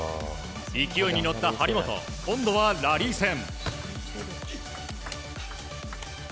勢いに乗った張本今度はラリー戦。